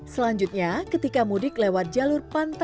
selanjutnya ketika mudik lewat jalur pantai